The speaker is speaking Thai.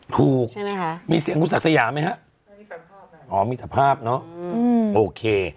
ถูกใช่ไหมคะมีเสียงคุณศักดิ์สยาไหมฮะอ๋อมีแต่ภาพเนอะโอเค